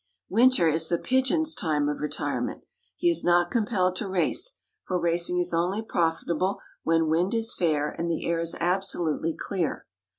Winter is the pigeon's time of retirement. He is not compelled to race, for racing is only profitable when wind is fair and the air is absolutely clear.